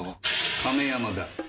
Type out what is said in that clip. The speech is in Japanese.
亀山だ。